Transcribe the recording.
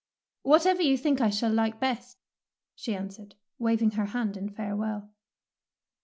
"Whatever you think I shall like best," she answered, waving her hand in farewell.